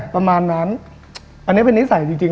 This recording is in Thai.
ประมาณนั้นอันนี้เป็นนิสัยจริง